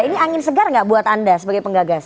ini angin segar nggak buat anda sebagai penggagas